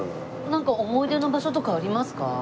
なんか思い出の場所とかありますか？